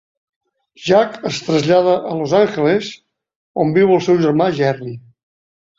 Jack es trasllada a Los Àngeles, on viu el seu germà Gerry.